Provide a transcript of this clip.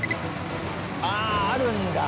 あああるんだ！